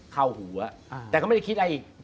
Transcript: เข้าหัวแต่ก็ไม่ได้คิดอะไรอีก